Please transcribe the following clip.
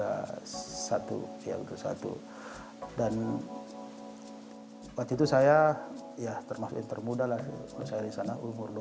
dan menghasilkan sejumlah legenda dan menjuarai sejumlah turnamen internasional